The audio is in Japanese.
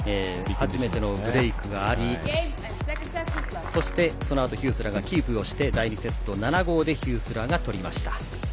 初めてのブレークがありそして、そのあとヒュースラーがキープをして第２セット、７−５でヒュースラーが取りました。